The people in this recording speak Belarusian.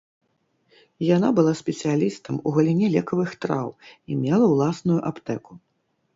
Яна была спецыялістам у галіне лекавых траў і мела ўласную аптэку.